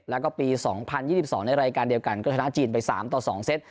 แล้วก็ปีสองพันยี่สิบสองในรายการเดียวกันก็ชนะจีนไปสามต่อสองเซต